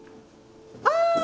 ああ！